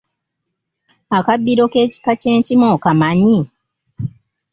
Akabbiro k’ekika ky’enkima okamanyi?